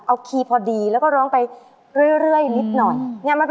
เอาคีย์พอดีแล้วก็ร้องไปเรื่อยนิดหน่อยในที่ไม่ได้